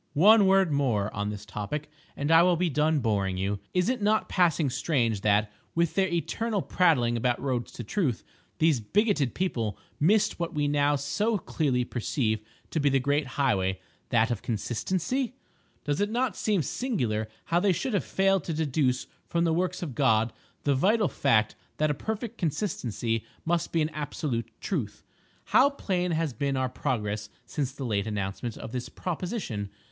One word more on this topic and I will be done boring you. Is it not passing strange that, with their eternal prattling about roads to Truth, these bigoted people missed what we now so clearly perceive to be the great highway—that of Consistency? Does it not seem singular how they should have failed to deduce from the works of God the vital fact that a perfect consistency must be an absolute truth! How plain has been our progress since the late announcement of this proposition!